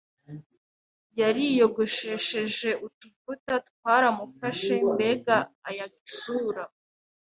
yariyogoshesheje utuvuta twaramufashe mbega ayaga isura